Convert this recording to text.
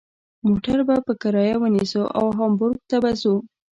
موټر به په کرایه ونیسو او هامبورګ ته به ځو.